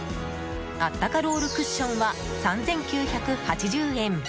あったかロールクッションは３９８０円。